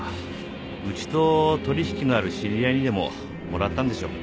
うちと取引のある知り合いにでももらったんでしょう。